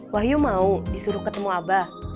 wahyu mau disuruh ketemu abah